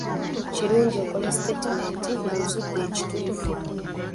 Kirungi okole sitaatimenti ng'ozudde ekituufu.